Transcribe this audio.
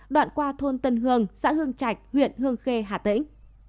đoạn qua thôn tân hương xã hương trạch huyện hương khê hà tĩnh